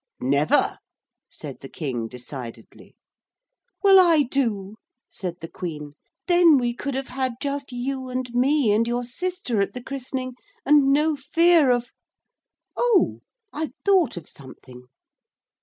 'Never!' said the King decidedly. 'Well, I do,' said the Queen; 'then we could have had just you and me and your sister at the christening, and no fear of oh! I've thought of something.'